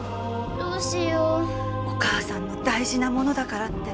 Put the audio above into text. お母さんの大事なものだからって。